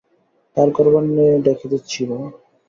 পার করবার নেয়ে ডেকে দিচ্ছি ভাই!